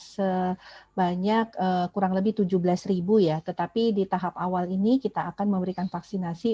sebanyak kurang lebih tujuh belas ribu ya tetapi di tahap awal ini kita akan memberikan vaksinasi